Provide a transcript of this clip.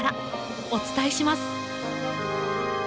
お伝えします！